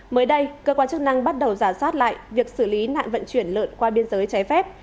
mới đây cơ quan chức năng bắt đầu giả soát lại việc xử lý nạn vận chuyển lợn qua biên giới trái phép